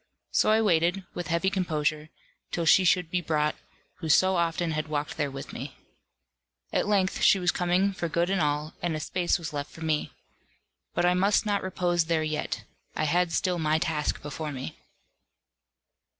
So I waited, with heavy composure, till she should be brought, who so often had walked there with me. At length she was coming for good and all, and a space was left for me. But I must not repose there yet; I had still my task before me.